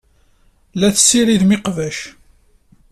La tessiridemt iqbac.